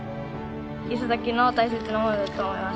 五十猛の大切なものだと思います。